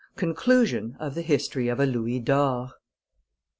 CONCLUSION OF THE HISTORY OF A LOUIS D'OR.